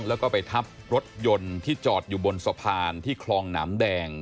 แล้วก็ไปทับรถยนต์ที่จอดอยู่บนสะพานที่คลองหนามแดง